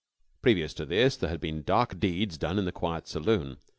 Previous to this there had been dark deeds done in the quiet saloon.